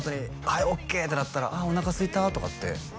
「はいオッケーってなったらあおなかすいたとかって」